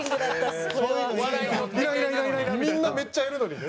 みんなめっちゃいるのにね。